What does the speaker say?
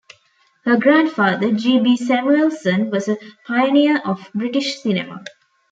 Her grandfather, G. B. Samuelson, was a pioneer of British cinema.